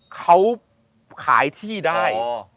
เขาขายที่ได้